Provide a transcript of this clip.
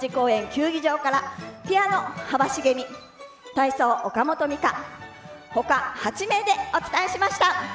球技場からピアノ、幅しげみ体操、岡本美佳ほか８名でお伝えしました。